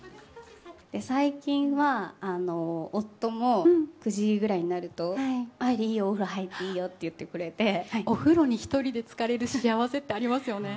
最近は、夫も９時ぐらいになると、愛梨、いいよ、お風呂入っていいよって言ってくれて、お風呂に１人でつかれる幸せってありますよね。